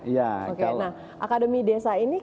iya oke nah akademi desa ini